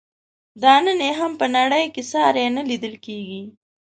دا نن یې هم په نړۍ کې ساری نه لیدل کیږي.